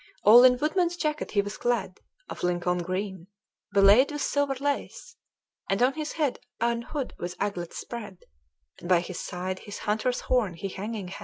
All in a woodman's jacket he was clad Of Lincoln greene, belayed with silver lace; And on his head an hood with aglets sprad, And by his side his hunter's horne he hanging had.